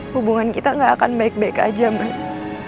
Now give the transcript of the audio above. hubungan kita gak akan baik baik aja mas